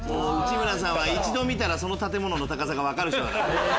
内村さんは一度見たら建物の高さが分かる人。